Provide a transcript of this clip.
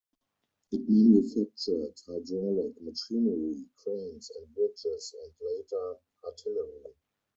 It manufactured hydraulic machinery, cranes and bridges and, later, artillery.